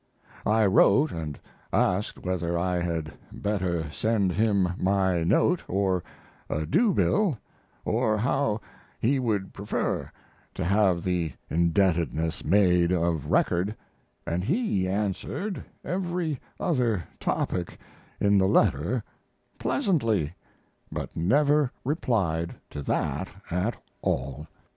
I wrote and asked whether I had better send him my note, or a due bill, or how he would prefer to have the indebtedness made of record, and he answered every other topic in the letter pleasantly, but never replied to that at all.